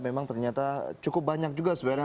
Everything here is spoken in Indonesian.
memang ternyata cukup banyak juga sebenarnya